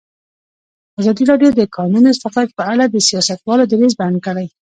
ازادي راډیو د د کانونو استخراج په اړه د سیاستوالو دریځ بیان کړی.